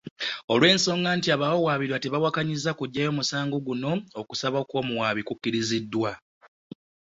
Olwensonga nti abawawaabirwa tebawakanyizza kuggyayo musango guno, okusaba kw’omuwaabi kukkiriziddwa.